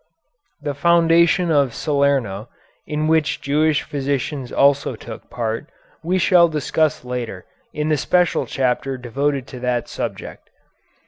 The foundation of Salerno, in which Jewish physicians also took part, we shall discuss later in the special chapter devoted to that subject.